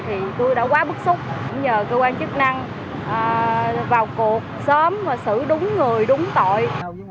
thì tôi đã quá bức xúc nhờ cơ quan chức năng vào cuộc sớm và xử đúng người đúng tội